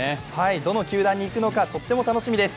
どの球団に行くのかとっても楽しみです。